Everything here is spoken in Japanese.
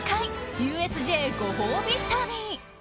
ＵＳＪご褒美旅。